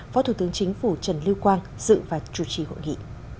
phó thủ tướng chính phủ trần lưu quang dự và chủ trì hội nghị